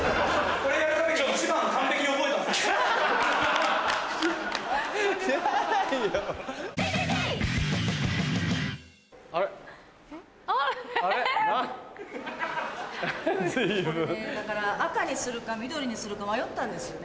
これねだから赤にするか緑にするか迷ったんですよね。